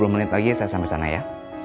dua puluh menit lagi saya sampai sana ya